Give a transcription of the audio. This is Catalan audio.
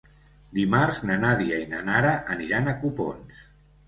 Dimarts na Nàdia i na Nara aniran a Copons.